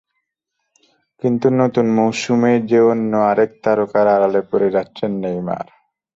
কিন্তু নতুন মৌসুমেই যে অন্য আরেক তারকার আড়ালে পড়ে যাচ্ছেন নেইমার।